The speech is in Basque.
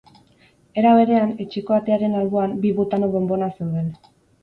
Era berean, etxeko atearen alboan bi butano bonbona zeuden.